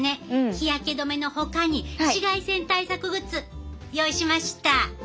日焼け止めのほかに紫外線対策グッズ用意しました。